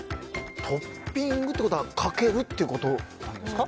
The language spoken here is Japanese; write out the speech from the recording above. トッピングってことはかけるってことなんですか？